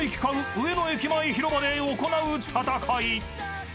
上野駅前広場で行う戦い］